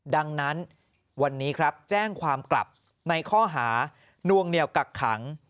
ดังนั้นวันนี้ครับแจ้งความกลับในข้อหานวงเหนียวกักขัง